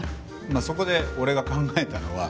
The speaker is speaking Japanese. まあそこで俺が考えたのは。